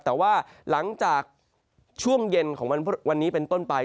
แต่ว่าหลังจากช่วงเย็นของวันนี้เป็นต้นไป